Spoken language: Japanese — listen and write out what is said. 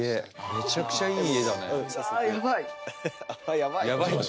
めちゃくちゃいい家だねうわ